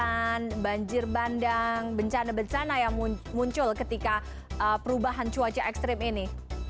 dan banjir bandang bencana bencana yang muncul ketika perubahan cupang ga ekstrim ini